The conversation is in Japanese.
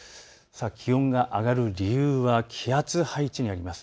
気温が上がる理由は気圧配置にあります。